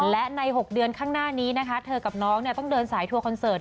และใน๖เดือนข้างหน้านี้นะคะเธอกับน้องต้องเดินสายทัวร์คอนเสิร์ต